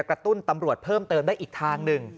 ตุ้นตำรวจเพิ่มเติมได้อีกทางหนึ่ง